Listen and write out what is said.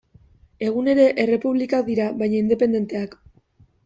Egun ere, errepublikak dira baina independenteak.